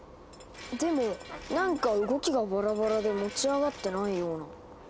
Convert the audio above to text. でもなんか動きがバラバラで持ち上がってないような。